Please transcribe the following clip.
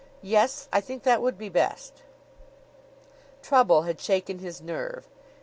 "Yes. I think that would be best." Trouble had shaken his nerve.